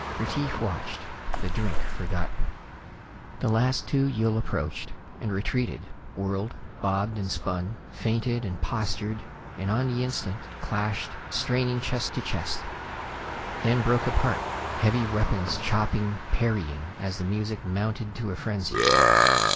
Retief watched, the drink forgotten. The last two Yill approached and retreated, whirled, bobbed and spun, feinted and postured and on the instant, clashed, straining chest to chest then broke apart, heavy weapons chopping, parrying, as the music mounted to a frenzy.